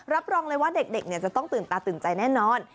รับรองเลยว่าเด็กจะต้องตื่นตาตื่นใจแน่นอน